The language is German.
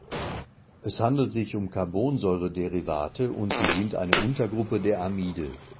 Es handelt sich um Carbonsäure-Derivate und sie sind eine Untergruppe der Amide.